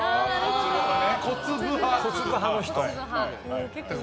小粒派の人。